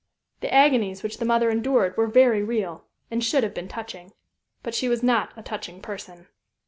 The agonies which the mother endured were very real, and should have been touching. But she was not a touching person.